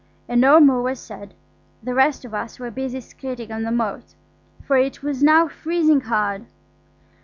And no more was said. The rest of us were busy skating on the moat, for it was now freezing hard.